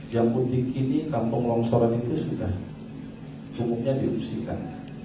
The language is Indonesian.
yang utikini kampung longsoran ini sudah umumnya diusikan